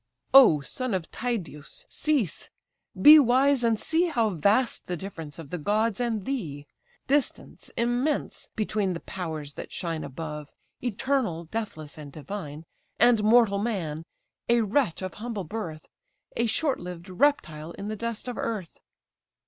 "O son of Tydeus, cease! be wise and see How vast the difference of the gods and thee; Distance immense! between the powers that shine Above, eternal, deathless, and divine, And mortal man! a wretch of humble birth, A short lived reptile in the dust of earth."